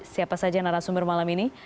siapa saja narasumber malam ini